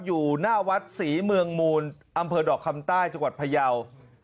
อยู่หน้าวัดศรีเมืองมูลอำเภอดอกคำใต้จังหวัดพยาว